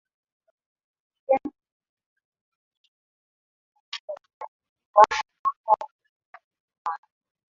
vijana wa sasa Alisema Ruge aliwasaidia vijana kwa kuwapa mwanga wa kutimiza ndoto zao